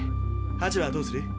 ハチはどうする？